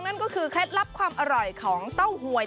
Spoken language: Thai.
นั่นก็คือเคล็ดลับความอร่อยของเต้าหวย